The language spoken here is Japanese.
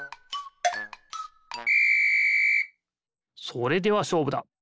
それではしょうぶだ！